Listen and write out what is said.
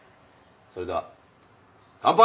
それでは乾杯。